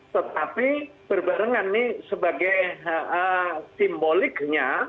tetapi berbarengan ini sebagai simboliknya